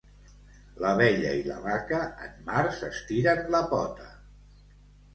L'abella i la vaca en març estiren la pota.